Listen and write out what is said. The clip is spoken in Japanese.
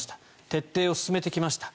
徹底を進めてきました。